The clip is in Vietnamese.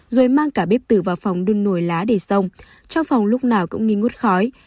rồi mang cả bếp tử vào phòng đun nồi lá để xong trong phòng lúc nào cũng nghi ngút khói